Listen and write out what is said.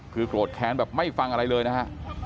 คือโกรธแค้นแบบไม่ฟังอะไรเลยนะฮะ